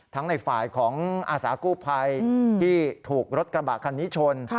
ในฝ่ายของอาสากู้ภัยที่ถูกรถกระบะคันนี้ชน